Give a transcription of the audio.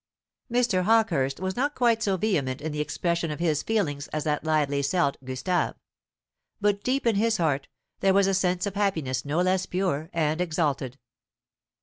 Mr. Hawkehurst was not quite so vehement in the expression of his feelings as that lively Celt, Gustave; but deep in his heart there was a sense of happiness no less pure and exalted.